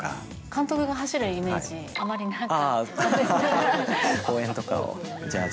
監督が走るイメージ、あまりああ。